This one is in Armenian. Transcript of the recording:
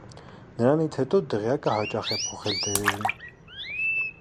Նրանցից հետո դղյակը հաճախ է փոխել տերերին։